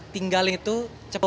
tinggal itu cepuk